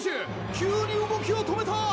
急に動きを止めた！